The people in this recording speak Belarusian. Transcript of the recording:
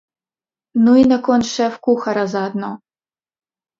Ну і наконт шэф-кухара заадно.